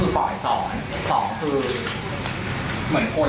แต่เขาบอกว่าเขาไม่ได้เอาสุนัข